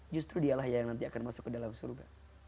justru dialah yang nanti akan masuk ke dalam surga